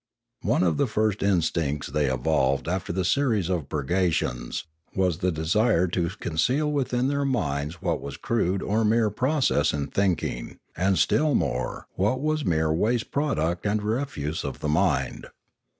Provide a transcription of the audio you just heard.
One of the first instincts they evolved after the series of purgations was the desire to conceal within their minds what was crude or mere process in thinking, and, still more, what was mere waste product and re fuse of the mind.